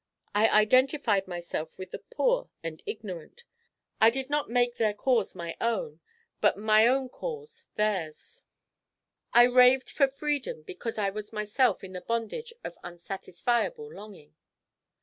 I identified myself with the poor and ignorant; I did not make their cause my own, but my own cause theirs. I raved for freedom because I was myself in the bondage of unsatisfiable longing."